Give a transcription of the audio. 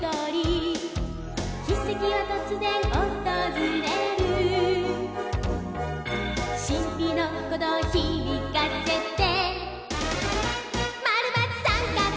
「奇跡はとつぜんおとずれる」「しんぴのこどうひびかせて」「○×△」